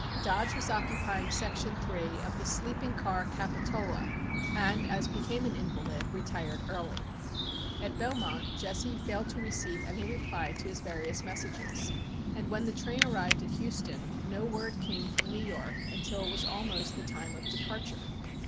Dodge was occupying Section 3 of the sleeping car "Capitola," and, as became an invalid, retired early. At Beaumont Jesse failed to receive any reply to his various messages, and when the train arrived at Houston no word came from New York until it was almost the time of departure.